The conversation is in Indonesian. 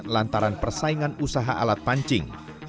lantaran persaingan usaha alat pancing